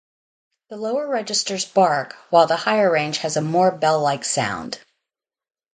The lower registers "bark", while the higher range has a more bell-like sound.